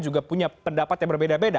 juga punya pendapat yang berbeda beda